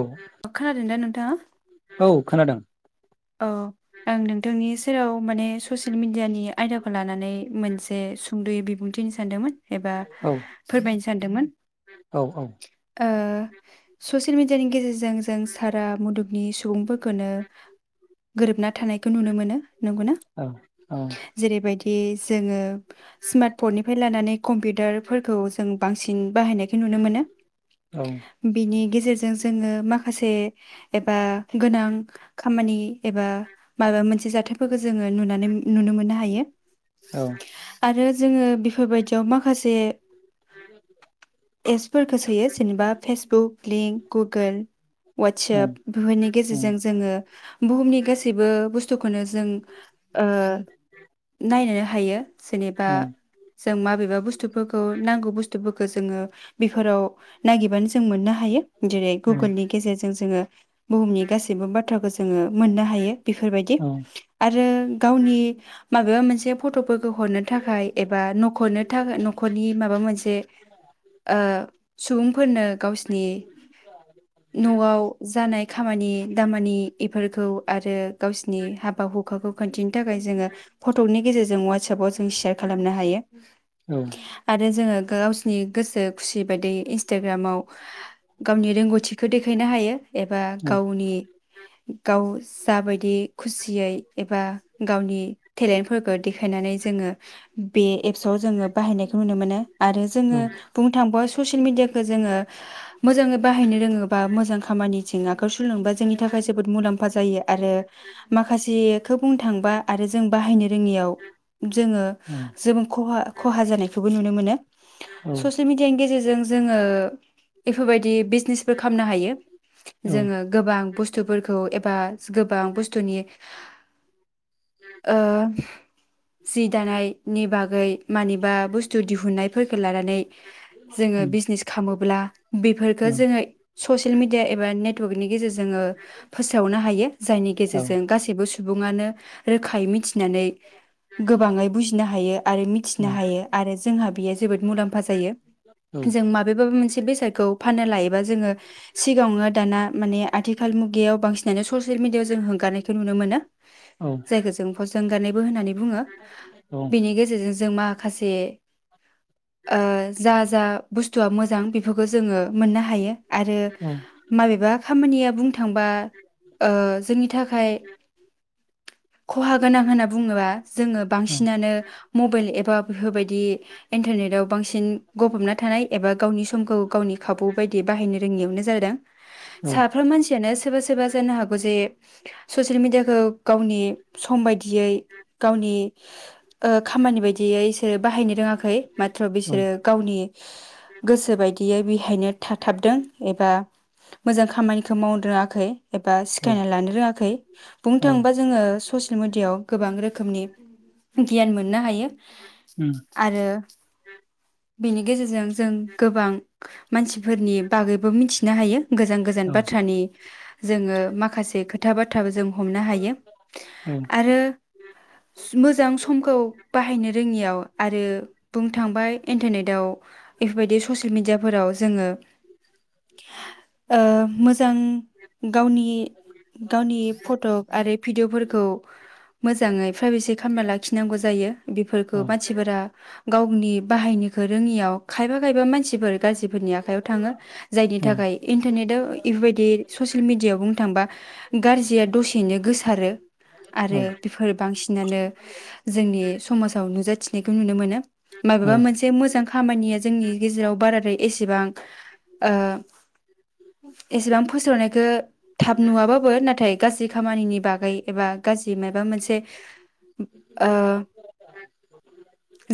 औ खोनादोंना नोंथाङा औ खोनादों जेराव माने ससियेल मिडियानि आयदाखौ लानानै मोनसे सुंद'यै बिबुंथि होनो सानदोंमोन एबा औ फोरमायनो सानदोंमोन औ औ ओ ससे ससियेल मिडियानि गेजेरजों जों सारा मुलुगनि सुबुंफोर खौनो गोरोबना थानायखौ नुनो मोनो नंगौना औ जेरैबायदि बे जोङो स्मार्ट फननिफ्राय लानानै कम्पिउटारफोरखौ जों बांसिन बाहायनायखौ नुनो मोनो बिनि गेजेरजों जोङो माखासे एबा गोनां खामानि एबा माबा मोनसे जाथायफोरखौ जोङो नुनानै नुनो मोननो हायो औ आरो जोङो बेफोरबायदियाव माखासे एप्सफोरखौ सोयो जेनेबा फेसबुक लिंक गुगोल उम ववाट्सप बेफोरनि उम गेजेरजों जोङो बुहुमनि गासैबो बुस्थुखौनो जों ओ नायनोनो हायो जेनेबा उम जों माबेबा बुस्थुफोरखौ नांगौ बुस्थुफोरखौ जोङो बेफोराव नागिरबानो जों मोननो हायो जेरै उम गुगोलनि गेजेरजों जोङो बुहुमनि गासैबो बाथ्राखौ जों जोङो मोननो हायो बेफोरबायदि औ आरो गावनि माबेबा मोनसे फट'फोरखौ हरनो थाखाय एबा न'खरनो थाखाय न'खरनि माबा मोनसे सुबुंफोरनो ओ गावसिनि न'आव जानाय खामानि दामानि इफोरखौ आरो गावसिनि हाबा हुखाखौ खोनन्थिनो थाखाय जोङो फटकनि गेजेरजों ववाटसपाव जों शयार खालामनो हायो औ आरो जोङो गावसिनि गोसो खुसि बायदि इन्सटाग्रामाव गावनि रोंगौथिखौ देखायनो हायो एबा गावनि गाव जाबायदि खुसियै एबा गावनि टेलेन्टफोरखौ देखायनानै जोङो बे एप्सआव जोङो बाहायनायखौ नुनो मोनो आरो जोङो उम बुंनो थाङोबा ससियेल मिडियाखौ जोङो मोजाङै बाहायनो रोङोबा मोजां खामानिजों आखाइ सुलोङोबा जोंनि थाखाय जोबोद मुलाम्फा जायो आरो माखासेखौ बुंनो थांबा आरो जों बाहायनो रोङियाव जोङो औ जबो खहा जानायखौबो नुनो मोनो औ ससियेल मिेडियानि गेजेरजों जोङो बेफोरबायदि बिजनेसफोर खालामनो हायो औ जोङो गोबां बुस्थु बुस्थुफोरखौ एबा गोबां बुस्थुनि ओ जि दानायनि बागै मानिबा बुस्थु दिहुन्नायफोरखौो लानानै औ उम जोङो बिजनेस खालामोब्ला औ बेफोरफोरखौ जोङो ससियेल मिेडिया एबा नेटवर्कनि गेजेरजोंङो फोसावनो हायो जायनि औ औ गेजेरजों गासैबो सुबुङानो रोखायै मिथिनानै गोबाङै बुजिनो हायो आरो मिथिनो हायो आरो जोंहा बेयो जोबोद मुलाम्फा जायो जों माबेबाबा मोनसे बेसादखौ फाननो लायोबा जोङो सिगाङावनो दाना माने आथिखाल आथिखाल मुगायाव बांसिनानो ससियेल मिेडिायाव जों होंगारनायखौ नुनो मोनो जायखौ जों फोस हगारनायबो होननानै बुङो बेनि गेजेरजों जों माखासे जा जा बुस्थुआ मोजां बेफोरखौ जोङो मोननो हायो आरो माबेबा खामानिया बुंथ थांबा ओ जोंनि थाखाय खहा गोनां होनना बुङोबा जोङो बांसिनानो मबाइल एबा बेफोरबायदि इन्टारनेटाव बांसिन गबबना थानाय एबा गावनि समखौ गावनि खाबु बायदि बाहायनो रोङियावनो जादों साफ्रीम मानसि सिथियानो सोरबा सोरबा जानो हागौ जे ससियेल मिेडियाखौ गावनि सम बायदियै गावनि खामानि बायदियै बिसोरो बाहायनो रोङाखै माथ्र बिसोरो गावनि गोसो बायदियै बेहायनो थाथाबदों एबा मोजां खामानि मावनो रोङाखै एबा सिखायना लानो रोङाखै बुंनो थाङोबा जोङो ससियेल मेडियायाव गोबां रोखोमनि गियान मोननो हायो आरो बेनि गेजेरजों जों गोबां मानसिफोरनि बागैबो मिथिनो हायो गोजान गोजान बाथ जोङो माखासे खोथा बाथाबो जों हमनो हायो आरो मोजां समखौ बाहायनो रोङियाव आरो बुंनो थांबाय इन्टारनेटाव बेफोरबायदि ससिेल मिडियाफोराव जोङो जों गावनि-गावनि फट' आरो भिडिअ'फोरखौ मोजाङै प्राइभेसि खालामना लाखिनांगौ जायो बेफोरखौ मानसिफोरा गावनि बाहायनोखौ रोङियाव खायफा खायबा मानसिफोर गाज्रिफोरनि आखायाव थाङो जायनि थाखाय इन्टारनेटआव इफोरबायदि ससियेल मेडियाआव बुंनो थाङोबा गाज्रिया दसेैनो गोसारो औ आरो बेफोर बांसिनानो जोंनि समाजाव नुजाथिनायखौ नुनो मोनो माबेबा मोनसे मोजां खामानिया जोंनि गेजेराव बाराद्राय एसेबां एसेबां फोसावनायखौ थाब नुवाबाबो नाथाय गाज्रि खामानिनि बागै एबा गाज्रि माबा मोनसे ओ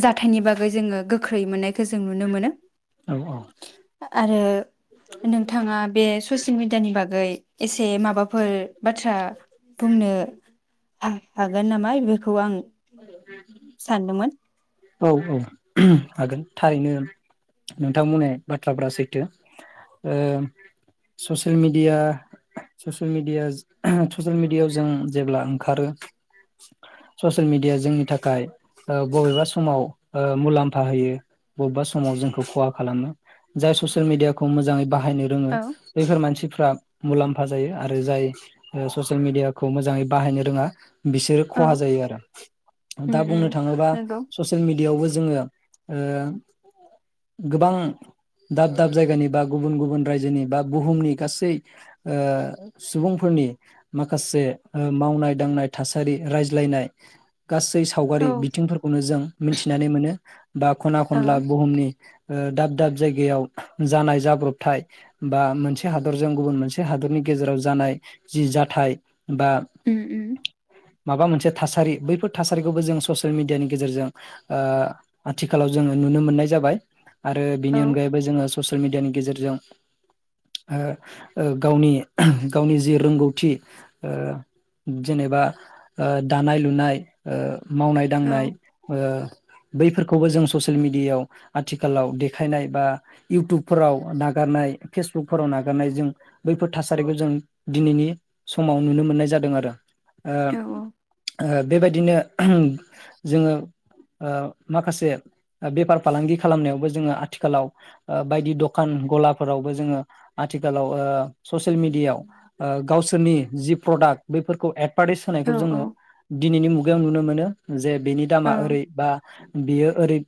जाथायनि बागै जोङो गोख्रै मोननायखौ जों नुनो मोनो आरो नोंथाङा बे ससियेल मिेडियानि बागै एसे माबाफोर बाथ्रा बुंनो हागोन नामा बेखौ आं सानदोंमोन औ-औ हागोन थारैनो नोंथांमोनहा बाथ्राफ्रा सैथो ससियेल ओ मिडिया सयेल मिडिया ससियेल मिडियाायाव जों जेब्ला ओंखारो ससियेल मिडिया जोंनि थाखाय ओ बबेबा समाव ओ मुलाम्फा होयो बबेबा समाव जोंखौ खहा खालामो जाय ससियेल मिडियाखौ मोजाङै बाहाय बाहायनो रोङो औ बेैफोर मानसिफ्रा मुलाम्फा जायो आरो जाय ससियेल मिडियाखौ मोजाङै बाहायनो रोङा बिसोर औ खहा जायो आरो उम दा उम बुंनो थाङोब्ला नंगौ ससियेल मिेडियायावबो जोङो ओ गोबां दाब दाब जायगानि बा गुबुन गुबुन रायजोनि बा बुहुमनि गासै ओ सुबुंफोरनि माखासे ओ मावनाय दांनाय थासारि रायज्लायनाय गासै औ सावगारि बिथिंफोरखौनो जों मिथिनानै मोनो बा खना औ खनला बुहुमनि दाब दाब जायगायाव जानाय जाब्रबथाय बा मोनसे हादरजों गुबुन मोनसे हादरनि गेजेराव जानाय जि जाथाय बा उम उम माबा मोनसे थासारि बैफोर थासारिखौबो जों ससियेल मिडियानि गेजेरजों आथिखालाव जोङो नुनो मोननाय जाबाय आरो बिनि औ अनगायैबो जोङो ससियेल मिेडियानि गेजेरजों ओ-ओ गावनि गावनि जि रोंगौथि ओ जेनेबा ओ दानाय लुनाय ओ मावनाय औ दांनाय ओ बैफोरखौबो जों ससियेल मेडियायाव आथिखालाव देखायनाय बा इउटुबफोराव नागारनाय फेसबुकफोराव नागारनाय जों बैफोर थासारिखौ जों दिनैनि समाव नुनो मोननाय जादों आरो। ओ औ ओ बेबायदिनो जोङो ओ माखासे बेफार फालांगि खालामनायावबो जोङो आथिखालाव बायदि दखान गलाफोरावबो जोङो आथिखालाव ओ ससियेल मेडियायाव ओ गावसोरनि जि प्रडाक्ट बैफोरखौ एड भारतायस औ होनायखौ जोङो दिनैनि मुगायाव नुनो मोनो जे बेनि औ दामा ओरै बा बियो ओरै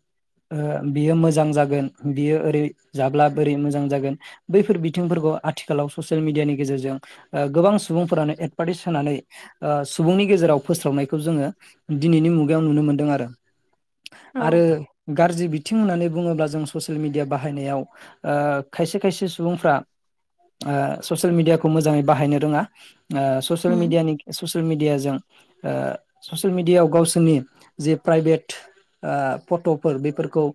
बियो मोजां जागोन बियो ओरै जाब्ला बोरै मोजां जागोन बैफोर बिथिंफोरखौ आथिखालाव ससियेल मेडियानि गेजेरजों गोबां सुबुंफोरानो एदभार्टाइस होनानै सुबुंनि गेजेराव फोस्रावनायखौ जोङो दिनैनि मुगायाव नुनो मोनदों आरो। औ आरो गाज्रि बि थिं होननानै बुङोब्ला जों ससियेल मिडिया बाहायनायाव ओ खायसे-खायसे सुबुंफ्रा ओ ससियेल मिडियाखौ मोजाङै बाहायनो रोङा ओ सयेल उम मिडियानि ससियेल मिडियाजों ओ ससियेल मिदियाव गावसोरनि जे प्राइभेट ओ फटफोर बेफोरखौ ओ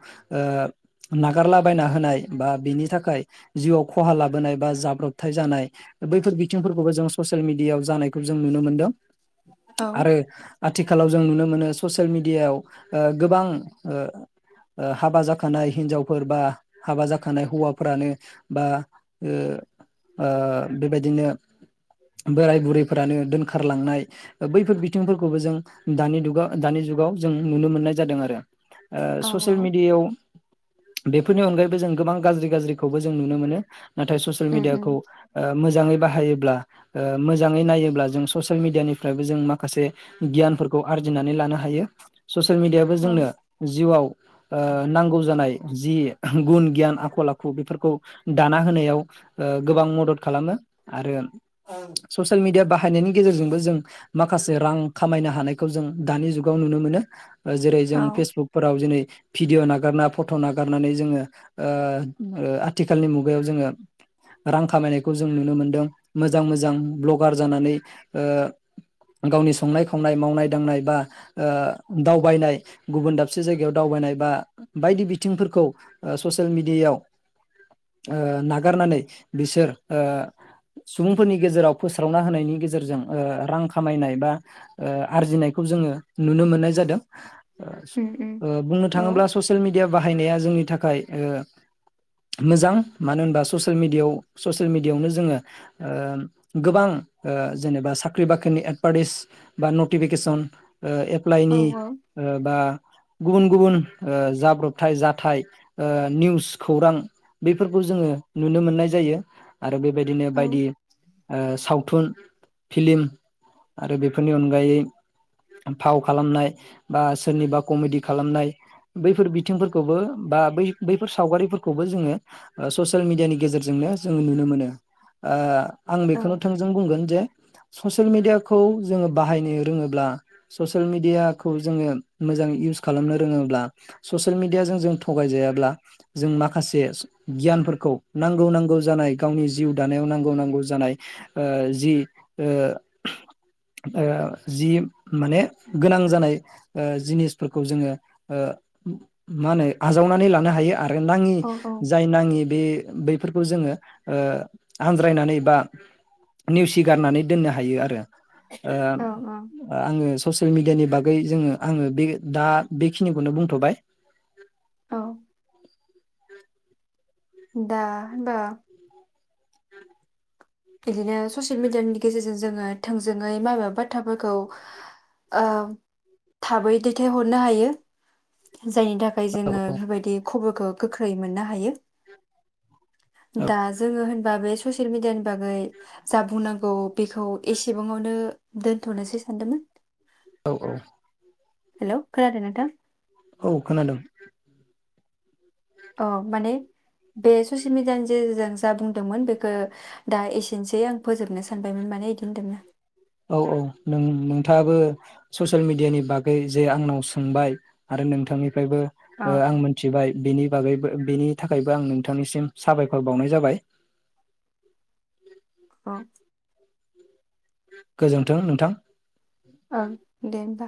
नागारलाबायना होनाय बा बिनि थाखाय जिउआव खहा लाबोनाय बा जाब्रबथाय जानाय बैफोर बिथिंफोरखौबो जों ससियेल मिदियायाव जानायखौ जों नुनो मोनदों औ आरो आ थिखालाव जों नुनो मोनो ससियेल मेडियायाव ओ गोबां ओ ओ हाबा जाखानाय हिनजावफोर बा हाबा जाखानाय हौवाफोरानो बा ओ ओ बेबायदिनो बोराय बुरैफोरानो दोनखारलांनाय बैफोर बिथिंफोरखौबो जों दानि दुगाव दानि जुगाव जों नुनो मोननाय जादों आरो। औ औ ओक्षससियेल मिडियायाव बेफोरनि अनगायैबो जों गोबां गाज्रि गाज्रिखौबो जों नुनो मोनो। नाथाय ससियेल उम उम मिडियाखौ ओ मोजाङै बाहायो ल्बा ओ मोजाङै नायोब्ला जों ससेल मिदियानि फ्रायबो जों माखासे गियानफोरखौ आरजिनानै लानो हायो। ससियेल मिडियाबो औ जोंनो जिउआव ओ नांगौ जानाय जि गुन गियान आखल आखु बेफोरखौ दाना होनायाव ओ गोबां मदद खालामो आरो ससियेल मिदिया बाहायनायनि गेजेरजोंबो जों माखासे रां खामायनो हानायखौ जों दानि जुगाव नुनो मोनो। जेरै औ जों फेसबुकफोराव जेरै भिडिअ नागारना फट नागारनानै जोङो ओ ओ आथिखालनि मुगायाव जोङो रां खामायनायखौ जों नुनो मोनदों मोजां मोजां भ्लगार जानानै ओ गावनि संनाय खावनाय मावनाय दांनाय बा ओ दावबायनाय गुबुन दाबसे जायगायाव दावबायनाय बा बायदि बिथिंफोरखौ ओ ससियेल मिडियाआव ओ नागारनानै बिसोर ओ सुबुंफोरनि गेजेराव फोस्रावना होनायनि गेजेरजों ओ रां खामायनाय बा ओ आरजिनायखौ जोङो नुनो मोननाय जादों। [unintelligible] उम उम ओ बुंनो औ थाङोब्ला ससियेल मिडिया बाहायनाया जोंनि थाखाय ओ मोजां मानो होनबा ससेल मिडियाव ससियेल मिडियायावनो जोङो ओ गोबां ओ जेनोबा सा ख्रि बाख्रिनि एडभारटिस बा नतिफिकेसन ओ औ एप्लाइनि ओ बा गुबुन गुबुन ओ जाब्रबथाय जाथाय ओ निउस खौरां बेफोरखौ जोङो नुनो मोननाय जायो आरो बेबायदिनो औ बायदि ओ सावथुन फिलिम आरो बेफोरनि अनगायै फाव खालामनाय बा सोरनिबा कमेडि खालामनाय बैफोर बिथिंफोरखौबो बा बै बैफोर सावगारिफोरखौबो जोङो ओ ससियेल मिडियानि गेजेरजोंनो जोङो नुनो मोनो। ओ आं औ बेखौनो थोंजों बुंगोन जे ससियेल मिडियाखौ जोङो बाहायनो रोङोब्ला ससियेल मिडियाखौ जोङो मोजां इउस खालामनो रोङोब्ला ससियेल मिडियाजों जों थगायजायाब्ला जों माखासे गियानफोरखौ नांगौ नांगौ जानाय गावनि जिउ दानायाव नांगौ नांगौ जानाय ओ जि ओ ओ जि माने गोनां जानाय ओ जिनिसफोरखौ जोङो ओ मा होनो आजावनानै लानो हायो आ रो नाङि औ औ जाय नाङि बे बैफोरखौ जोङो ओ आनज्रायनानै बा नेवसिगारनानै दोननो हायो आरो। ओम औ ओ आङो ससियेल मिडियानि बागै जोङो आङो बे दा बेखिनिखौनो बुंथ'बाय। औ। दा बा [inaudible] बिदिनो ससियेल मेडियानि गेजेरजों जों जोङो थोंजोङै माबा बाथ्राफोरखौ ओ थाबै दैथायहरनो हायो। जायनि थाखाय जोङो बेफोरबायदि खबरखौ गोख्रै मोननो हायो औ दा जोङो होनबा बे ससियेल मिडियानि बागै जा बुंनांगौ औ बेखौ एसेबाङावनो दोनथ'नोसै सानदोंमोन औ औ हेल' खोनादों नोंथां औ खोनादों औ माने बे ससियेल मिडियानि गेजेरजों जा बुंदोंमोन बेखौ दा एसेनोसै आं फोजोबनो सानबायमोन माने बिदि होनदोंना थाङाबो ससियेल मिडियानि बागै जे आंनाव सोंबाय आरो नोंथांनि फ्रायबो अ आं मोनथिबाय बिनि बेनि थाखायबो आं नोंथांनिसिम साबायखर बावनाय जाबाय [inaudible] गोजोन्थों नोंथां औ दे होमबा